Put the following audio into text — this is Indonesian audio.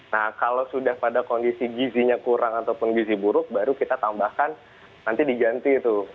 nah kalau sudah pada kondisi gizinya kurang ataupun gizi buruk baru kita tambahkan nanti diganti tuh